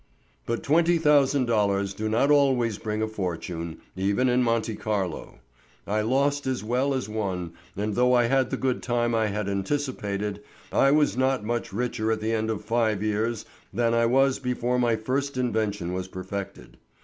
But twenty thousand dollars do not always bring a fortune, even in Monte Carlo. I lost as well as won and though I had the good time I had anticipated I was not much richer at the end of five years than I was before my first invention was perfected.